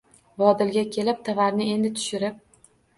Vodilga kelib, tovarni endi tushirib